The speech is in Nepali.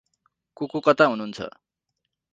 को को कता हुनुहुन्छ?